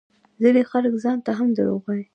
ځينې خلک ځانته هم دروغ وايي